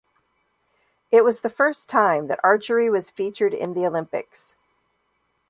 It was the first time that archery was featured in the Olympics.